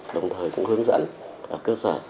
đồng thời cũng hướng dẫn cơ sở